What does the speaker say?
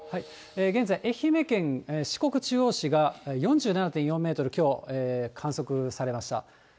現在、愛媛県四国中央市が４７．４メートル、きょう、観測されました。